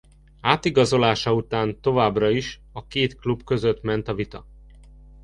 Átigazolása után továbbra is a két klub között ment a vita.